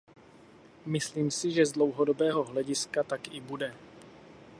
Myslím si, že z dlouhodobého hlediska tak i bude.